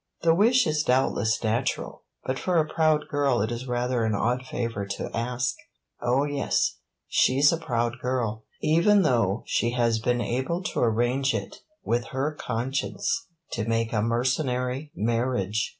The wish is doubtless natural, but for a proud girl it is rather an odd favor to ask. Oh yes, she 's a proud girl, even though she has been able to arrange it with her conscience to make a mercenary marriage.